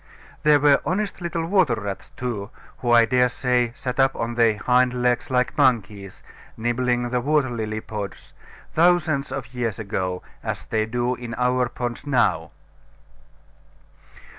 There were honest little water rats too, who I dare say sat up on their hind legs like monkeys, nibbling the water lily pods, thousands of years ago, as they do in our ponds now.